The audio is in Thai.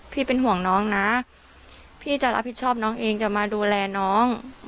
พี่เป็นห่วงน้องนะพี่จะรับผิดชอบน้องเองจะมาดูแลน้อง